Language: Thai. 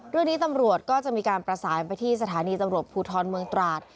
เรื่องนี้ตำรวจก็จะมีการประสานไปที่สถานีตำรวจภูทรเมืองตราด